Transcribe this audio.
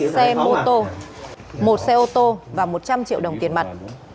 một xe mô tô một xe ô tô và một trăm linh triệu đồng tiền mặt